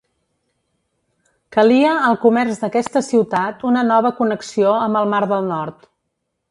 Calia al comerç d'aquesta ciutat una nova connexió amb el mar del Nord.